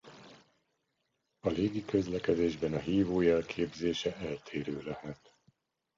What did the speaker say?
A légiközlekedésben a hívójel képzése eltérő lehet.